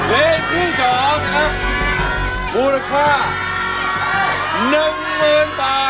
จับมือประคองขอร้องอย่าได้เปลี่ยนไป